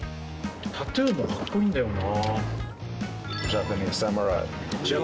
タトゥーもかっこいいんだよな。